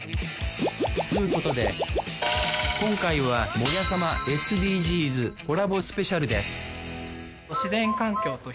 つうことで今回は「モヤさま」ＳＤＧｓコラボスペシャルです